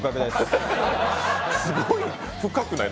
すごい深くない？